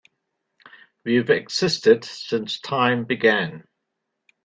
We've existed since time began.